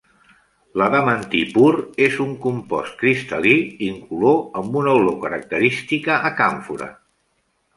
L'adamantí pur és un compost cristal·lí, incolor amb una olor característica a càmfora.